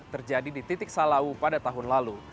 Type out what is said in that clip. terjadi di titik salawu pada tahun lalu